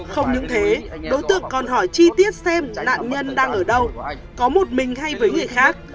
không những thế đối tượng còn hỏi chi tiết xem nạn nhân đang ở đâu có một mình hay với người khác